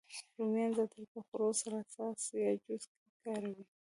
رومیان زیاتره په خوړو، سالاد، ساس، یا جوس کې کاروي